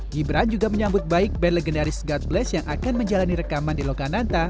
gibran juga menyambut baik band legendaris god bless yang akan menjalani rekaman di lokananta